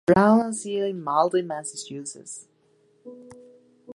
Brown nació en Malden, Massachusetts.